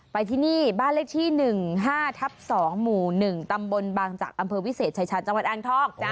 ไปที่นี่บ้านเลขที่๑๕ทับ๒หมู่๑ตำบลบางจักรอำเภอวิเศษชายชาญจังหวัดอ่างทอง